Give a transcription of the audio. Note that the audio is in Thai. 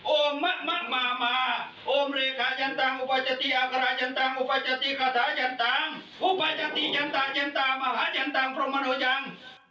โอ้มะมะมามาโอ้มริคาจันตังค์อุปจติอากราชันตังค์อุปจติฆาตาจันตังค์อุปจติจันตาจันตามหาจันตังค์พรหมณโยจัง